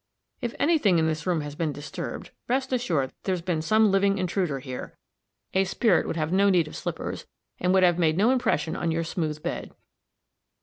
"If any thing in this room has been disturbed, rest assured there's been some living intruder here. A spirit would have had no need of slippers, and would have made no impression on your smooth bed."